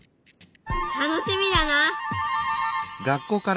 楽しみだな。